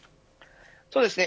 そうですね。